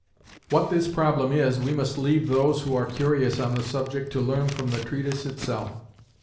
What this problem is, we must leave those who are curious on the subject to learn from the treatise itself.